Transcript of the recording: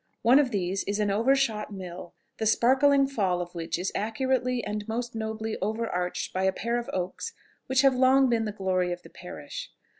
One of these is an overshot mill, the sparkling fall of which is accurately and most nobly overarched by a pair of oaks which have long been the glory of the parish.